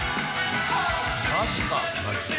マジか？